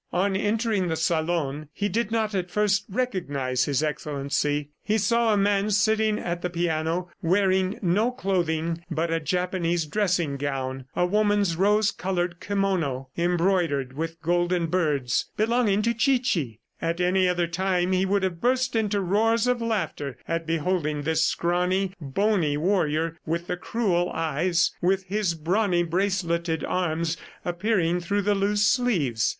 On entering the salon, he did not at first recognize His Excellency. He saw a man sitting at the piano wearing no clothing but a Japanese dressing gown a woman's rose colored kimono, embroidered with golden birds, belonging to Chichi. At any other time, he would have burst into roars of laughter at beholding this scrawny, bony warrior with the cruel eyes, with his brawny braceleted arms appearing through the loose sleeves.